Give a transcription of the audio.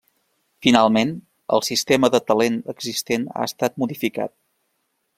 Finalment, el sistema de talent existent ha estat modificat.